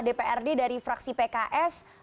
dprd dari fraksi pks